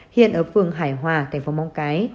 hiện ở vùng hải hòa thành phố móng cái